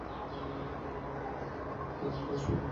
তবে আমি কখনো কখনো লেট কাট কিংবা সুইপ খেলার চেষ্টা করেছি।